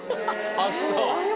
あっそう。